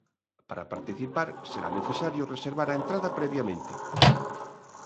Para participar será necesario reservar a entrada previamente.